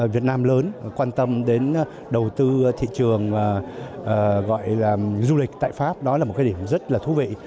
việt nam lớn quan tâm đến đầu tư thị trường gọi là du lịch tại pháp đó là một cái điểm rất là thú vị